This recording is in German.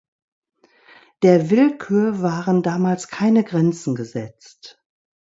Der Willkür waren damals keine Grenzen gesetzt.